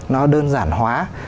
nó đơn giản hóa